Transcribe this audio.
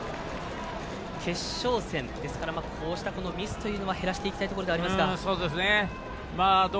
決勝戦ですから、こうしたミスは減らしていきたいところではありますが。